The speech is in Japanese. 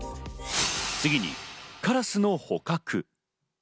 次にカラスの捕獲。